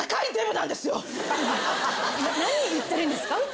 な何言ってるんですか？